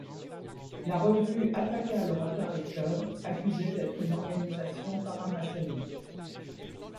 La revue attaqua le Rotary Club, accusé d'être une organisation paramaçonnique.